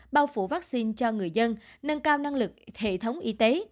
bao phủ vaccine cho người dân nâng cao năng lực hệ thống y tế